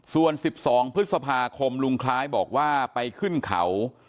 ส่วน๑๒พฤษภาคมลุงคล้ายบอกว่าไปขึ้นเขา